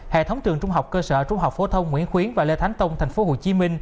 hệ thống trường trung học cơ sở trung học phổ thông nguyễn khuyến và lê thánh tông tp hcm